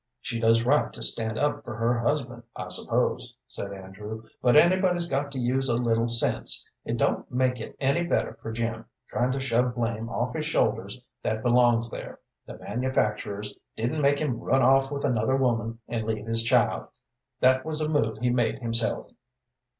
"She does right to stand up for her husband, I suppose," said Andrew, "but anybody's got to use a little sense. It don't make it any better for Jim, tryin' to shove blame off his shoulders that belongs there. The manufacturers didn't make him run off with another woman and leave his child. That was a move he made himself."